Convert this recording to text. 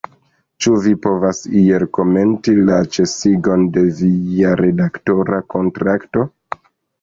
Ĉu vi povas iel komenti la ĉesigon de via redaktora kontrakto?